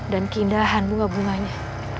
dan keindahan bunga bunganya